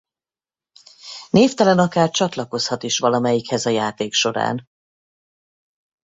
Névtelen akár csatlakozhat is valamelyikhez a játék során.